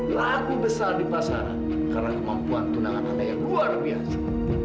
lagi besar di pasaran karena kemampuan tunangan anda yang luar biasa